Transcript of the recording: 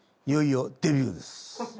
いよいよデビューです。